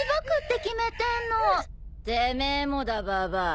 てめえもだババア。